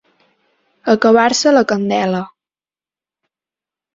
Acabar-se la candela.